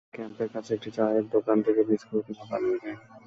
পরে ক্যাম্পের কাছে একটি চায়ের দোকান থেকে বিস্কুট নিয়ে পালিয়ে যায়।